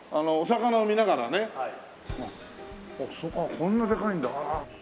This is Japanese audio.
こんなでかいんだ。